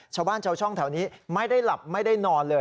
ชาวบ้านชาวช่องแถวนี้ไม่ได้หลับไม่ได้นอนเลย